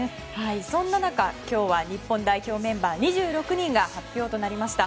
そんな中、今日は日本代表メンバー２６人が発表となりました。